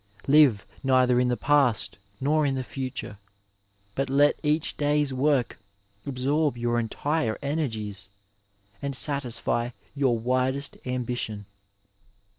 Live neither in the past nor in the future, but let each day's work absorb your entire energies, and satisfy your widest ambition.